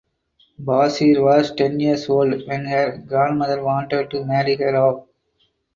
Bashir was ten years old when her grandmother wanted to marry her off.